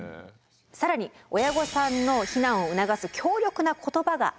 更に親御さんの避難を促す強力な言葉があります。